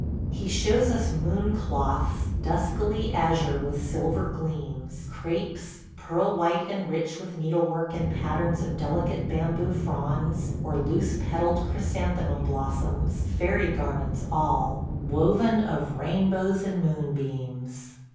He shows us Moon cloths, duskily azure with silver gleams; ... crapes, pearl white and rich with needlework in patterns of delicate bamboo fronds or loose petalled chrysanthemum blossoms, ... fairy garments all, woven of rainbows and moonbeams!